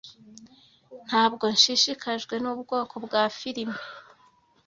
Ntabwo nshishikajwe nubwoko bwa firime.